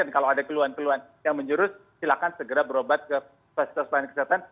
dan kalau ada keluhan keluhan yang menjurus silahkan segera berobat ke fasilitas lain kesehatan